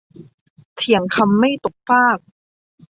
เถียงคำไม่ตกฟาก